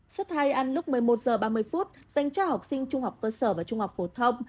suất hai ăn lúc một mươi một h ba mươi dành cho học sinh trung học cơ sở và trung học phổ thông